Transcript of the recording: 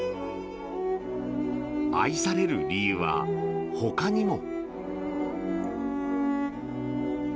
愛される理由は他にも。